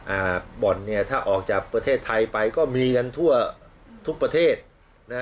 อ่าบ่อนเนี่ยถ้าออกจากประเทศไทยไปก็มีกันทั่วทุกประเทศนะฮะ